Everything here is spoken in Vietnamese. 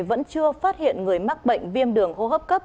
vẫn chưa phát hiện người mắc bệnh viêm đường hô hấp cấp